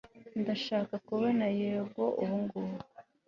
Ndashaka kumubona yego ubungubu